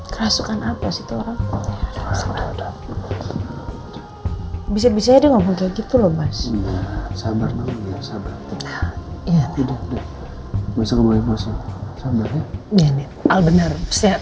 kerasukan apa sih orang bisa bisa diomong gitu loh masih sabar sabar